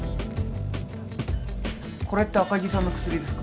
これって赤木さんの薬ですか？